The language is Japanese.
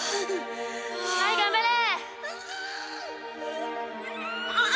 はい頑張れ！